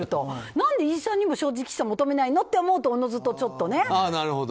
何で、イさんにも正直さを求めないのって思うとおのずと、ちょっとね。